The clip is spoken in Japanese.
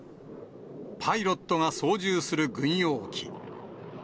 パイロットが操縦する軍用機。